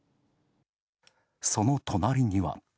その隣には。